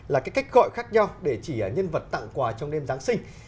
là cái cách gọi khác nhau để chỉ nhân vật tặng quà trong đêm giáng sinh